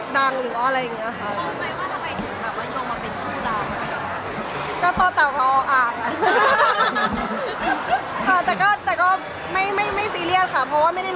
หรือว่าอะไรอย่างนี้ค่ะ